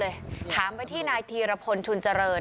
แล้วผู้สื่อข่าวเลยถามเลยถามไปที่นายธีรพลชุนเจริญ